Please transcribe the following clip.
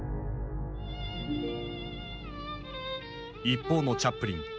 一方のチャップリン。